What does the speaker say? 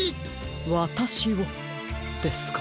わたしをですか？